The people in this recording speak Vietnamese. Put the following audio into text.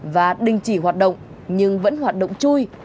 và đình chỉ hoạt động nhưng vẫn hoạt động chui